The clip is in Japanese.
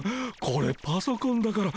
これパソコンだから。